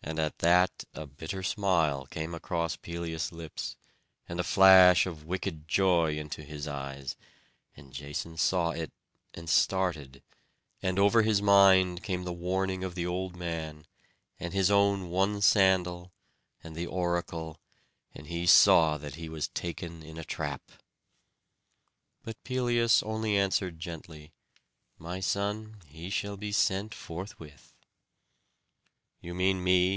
And at that a bitter smile came across Pelias's lips, and a flash of wicked joy into his eyes; and Jason saw it, and started; and over his mind came the warning of the old man, and his own one sandal, and the oracle, and he saw that he was taken in a trap. But Pelias only answered gently, "My son, he shall be sent forthwith." "You mean me?"